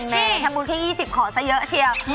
เฮ้ยทางบุญคลิก๒๐ขอซะเยอะเชียว